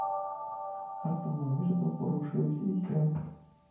Хартановіч заварушыўся і сеў.